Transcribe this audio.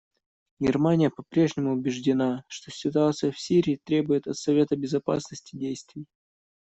Германия по-прежнему убеждена, что ситуация в Сирии требует от Совета Безопасности действий.